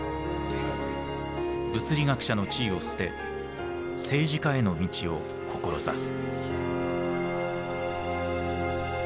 物理学者の地位を捨て政治家への道を志す。